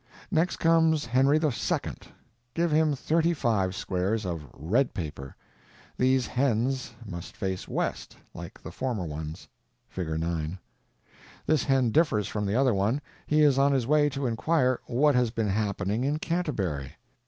Next comes Henry II. Give him thirty five squares of _red _paper. These hens must face west, like the former ones. (Fig. 9.) This hen differs from the other one. He is on his way to inquire what has been happening in Canterbury.